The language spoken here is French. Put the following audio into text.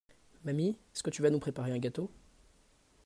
Mamie, est-que tu vas nous préparer un gâteau?